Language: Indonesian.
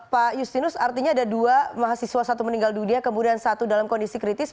pak justinus artinya ada dua mahasiswa satu meninggal dunia kemudian satu dalam kondisi kritis